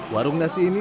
warung nasi ini